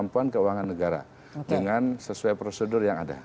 kemampuan keuangan negara dengan sesuai prosedur yang ada